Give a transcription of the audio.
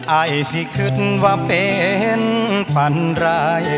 อ่ายสิคิดว่าเป็นปัญหา